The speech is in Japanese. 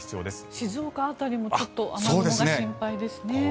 静岡辺りも雨雲が心配ですね。